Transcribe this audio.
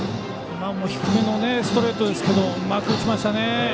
今も低めのストレートうまく打ちましたね。